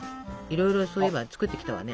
いろいろそういえば作ってきたわね。